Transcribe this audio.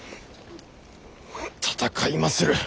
戦いまする。